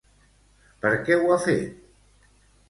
Per què ho ha fet?